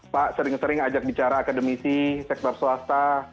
pak sering sering ajak bicara akademisi sektor swasta